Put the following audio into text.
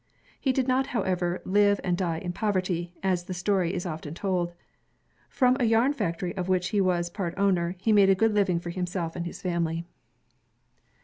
He did not, however, live and die in poverty, as the story is often told. From a yarn factory of which he was part owner, he made a good living for himself and his family.